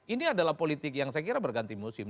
ini adalah politik yang saya kira berganti musim